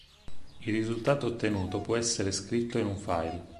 Il risultato ottenuto può essere scritto in un file.